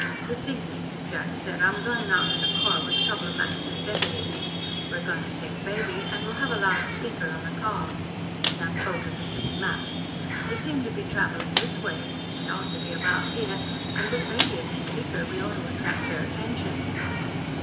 "This evening," Jack said, "I'm going out in a car with a couple of Max's deputies. We're going to take Baby, and we'll have a loud speaker on the car." He unfolded the city map. "They seem to be traveling this way; they ought to be about here, and with Baby at the speaker, we ought to attract their attention."